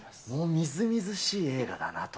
みずみずしい映画だなと。